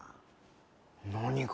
何が？